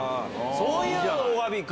そういうおわびか。